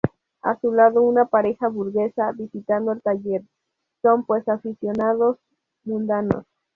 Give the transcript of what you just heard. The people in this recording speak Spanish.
A su lado una pareja burguesa visitando el taller, son pues aficionados mundanos.